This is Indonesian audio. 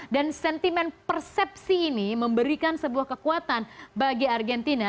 dan sentimen persepsi ini memberikan sebuah kekuatan bagi argentina